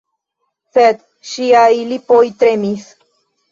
Sed ŝiaj lipoj tremis.